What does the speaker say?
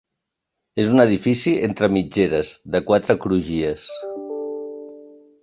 És un edifici entre mitgeres, de quatre crugies.